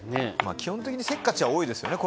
基本的にせっかちは多いですよね